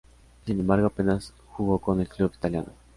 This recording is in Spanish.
Sin embargo apenas jugó con el club italiano.